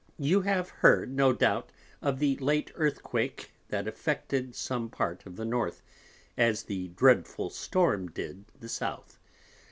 You have heard, no doubt, of the late Earthquake that affected some part of the North, as the dreadful Storm did the South.